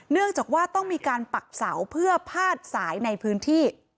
เนื่องจากว่าต้องมีการปักเสาเพื่อพาดสายในพื้นที่